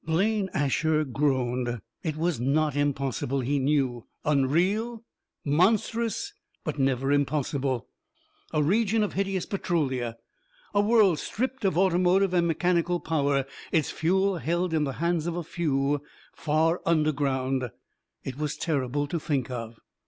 Blaine Asher groaned. It was not impossible, he knew. Unreal; monstrous but never impossible. A region of hideous Petrolia; a world stripped of automotive and mechanical power, its fuel held in the hands of a few, far underground it was terrible to think of.